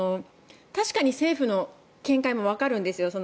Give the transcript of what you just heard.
確かに政府の見解もわかるんですよ。